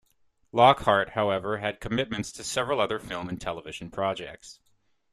Lockhart, however, had commitments to several other film and television projects.